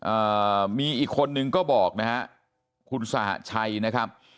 อ่ามีอีกคนนึงก็บอกนะฮะคุณสหชัยนะครับ